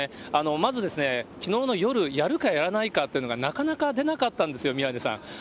まず、きのうの夜、やるかやらないかというのがなかなか出なかったんですよ、宮根さん。